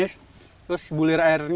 terus bulir airnya bulir airnya